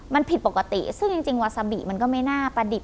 มันผิดปกติซึ่งจริงวาซาบิมันก็ไม่น่าประดิบ